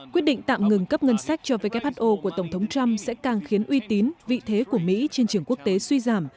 quyết định tạm ngừng cấp ngân sách cho who của tổng thống trump sẽ càng khiến uy tín vị thế của mỹ trên trường quốc tế suy giảm